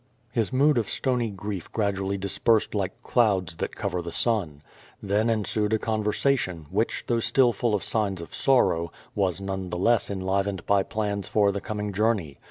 His mood of stony grief gradually dispersed like clouds that cover the sun. Then ensued a conversation, which though still full of signs of sorrow, was none the less enliven ed by plans for the coming journey.